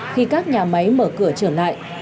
khi các nhà máy mở cửa trở lại